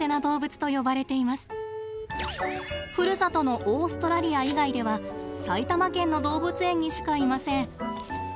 ふるさとのオーストラリア以外では埼玉県の動物園にしかいません。